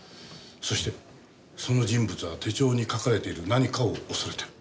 そしてその人物は手帳に書かれている何かを恐れている。